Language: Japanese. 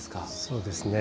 そうですね。